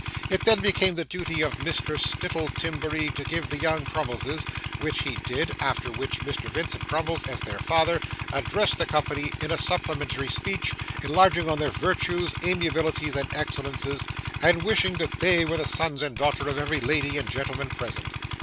It then became the duty of Mr. Snittle Timberry to give the young Crummleses, which he did; after which Mr. Vincent Crummles, as their father, addressed the company in a supplementary speech, enlarging on their virtues, amiabilities, and excellences, and wishing that they were the sons and daughter of every lady and gentleman present.